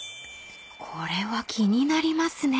［これは気になりますね］